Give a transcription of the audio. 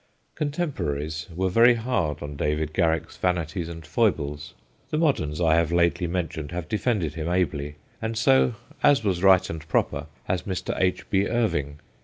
Contemporaries were very hard on David Garrick's vanities and foibles. The moderns I have lately mentioned have defended him ably, and so, as was right and proper, has Mr. H. B. Irving.